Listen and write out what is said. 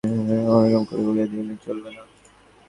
না না, তুমি আমার কথাটাকে ওরকম করে উড়িয়ে দিলে চলবে না।